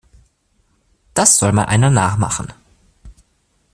Das soll mal einer nachmachen.